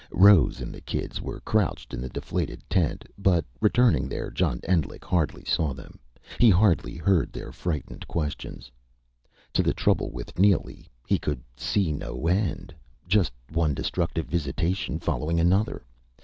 Rose and the kids were crouched in the deflated tent. But returning there, John Endlich hardly saw them. He hardly heard their frightened questions. To the trouble with Neely, he could see no end just one destructive visitation following another.